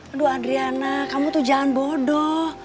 aduh adriana kamu tuh jangan bodoh